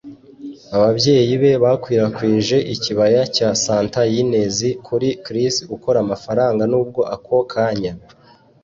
Ababyeyi be 'bakwirakwije ikibaya cya santa ynez kuri chris ukora amafaranga nubwo ako kanya.